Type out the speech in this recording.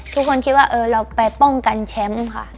ทุกคนคิดว่าเราไปป้องกันแชมป์ค่ะ